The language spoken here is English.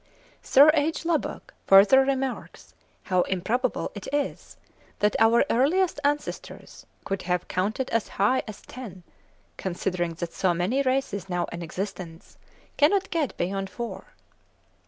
Sir J. Lubbock further remarks how improbable it is that our earliest ancestors could have "counted as high as ten, considering that so many races now in existence cannot get beyond four."